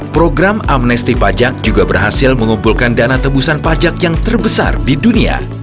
program amnesti pajak juga berhasil mengumpulkan dana tebusan pajak yang terbesar di dunia